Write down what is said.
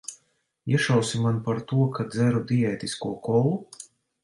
Iešausi man par to, ka dzeru diētisko kolu?